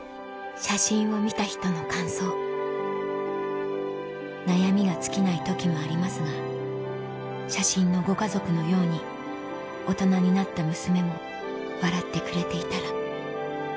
写真を見た人の感想「なやみがつきない時もありますが写真のご家族のように大人になった娘も笑ってくれていたら」